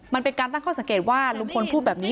มันเป็นการตั้งข้อสังเกตว่าลุงพลพูดแบบนี้